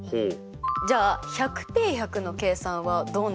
じゃあ１００Ｐ１００の計算はどうなりますか？